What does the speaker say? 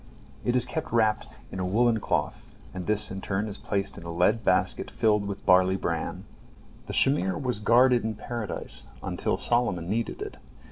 It is kept wrapped up in a woollen cloth, and this in turn is placed in a lead basket filled with barley bran. The shamir was guarded in Paradise until Solomon needed it.